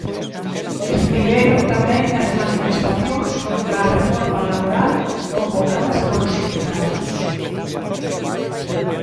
Estiveron tamén nas manifestacións contra a reforma laboral convocadas polos sindicatos.